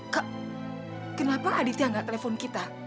kak kenapa aditya gak telepon kita